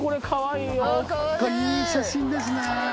いい写真ですね！